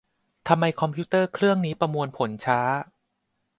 ทำไมคอมพิวเตอร์เครื่องนี้ประมวลผลช้า